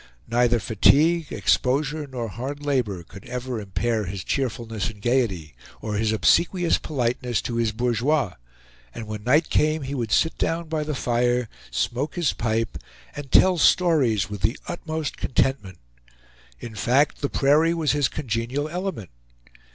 Neither fatigue, exposure, nor hard labor could ever impair his cheerfulness and gayety, or his obsequious politeness to his bourgeois; and when night came he would sit down by the fire, smoke his pipe, and tell stories with the utmost contentment. In fact, the prairie was his congenial element.